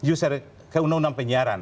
user ke undang undang penyiaran